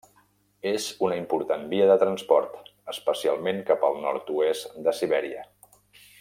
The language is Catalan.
És una important via de transport, especialment cap al nord-oest de Sibèria.